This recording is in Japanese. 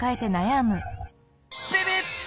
ビビッ！